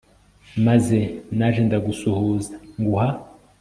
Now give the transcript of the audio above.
maze naje ndagusuhuza nguha